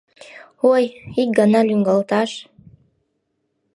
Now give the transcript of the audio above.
Ой, ик гана лӱҥгалташ.